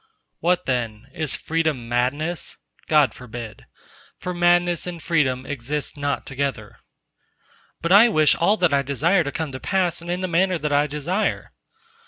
What then, is freedom madness? God forbid. For madness and freedom exist not together. "But I wish all that I desire to come to pass and in the manner that I desire."